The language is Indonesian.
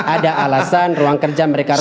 ada alasan ruang kerja mereka